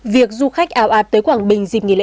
việc du khách áo ạt tới quảng bình dịp nghỉ lễ